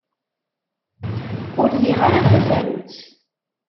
Ur liɣ ara tasarut.